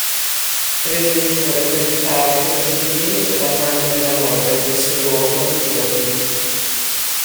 Prese misure per evitare che lo scioglimento dell'Armata della Loira desse luogo a disordini.